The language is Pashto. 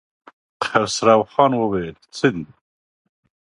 خسرو خان وويل: څه دي؟